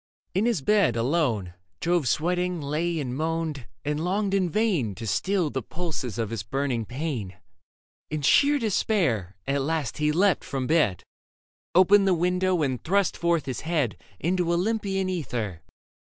In his bed, alone. Jove sweating lay and moaned, and longed in vain To stiU the pulses of his burning pain. In sheer despair at last he leapt from bed. Opened the window and thrust forth his head Into Olympian ether.